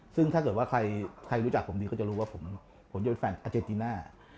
ซึ่งถ้าเกิดว่าใครรู้จักผมดีก็จะรู้ว่าผมจะเป็นแฟนอาเจนติน่า